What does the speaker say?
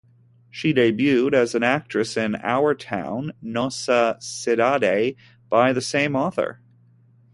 She debuted as an actress in "Our Town" ("Nossa Cidade") by the same author.